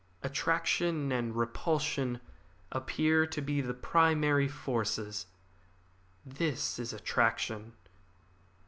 Attraction and repulsion appear to be the primary forces. This is attraction."